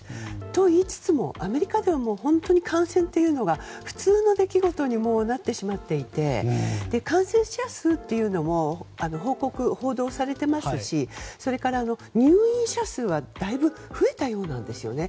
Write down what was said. といいつつもアメリカでは感染というのが普通の出来事になってしまっていて感染者数も報道されていますしそれから、入院者数はだいぶ増えたようなんですよね。